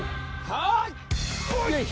はい！